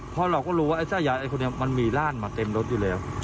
เพราะเราก็รู้ว่าไอ้ไส้ยายไอ้คนนี้มันมีร่านมาเต็มรถอยู่แล้ว